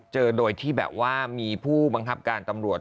เจอโดยที่แบบว่ามีผู้บังคับการตำรวจ